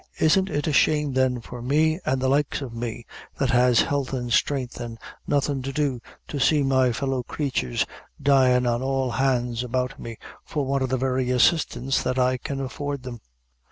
Isn't it a shame, then, for me, an' the likes o' me, that has health an' strength, an' nothin' to do, to see my fellow creatures dyin' on all hands about me, for want of the very assistance that I can afford them.